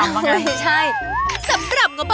โอ้โหโอ้โห